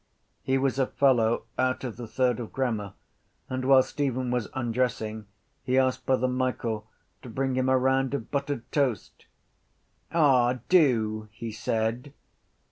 He was a fellow out of the third of grammar and, while Stephen was undressing, he asked Brother Michael to bring him a round of buttered toast. —Ah, do! he said.